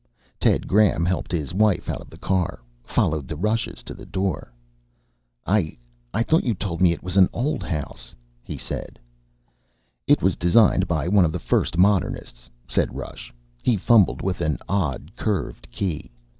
Ted Graham helped his wife out of the car, followed the Rushes to the door. "I thought you told me it was an old house," he said. "It was designed by one of the first modernists," said Rush. He fumbled with an odd curved key.